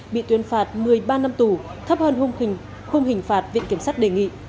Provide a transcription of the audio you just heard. bị tuyên phạt một mươi ba năm tủ thấp hơn hung hình phạt viện kiểm sát đề nghị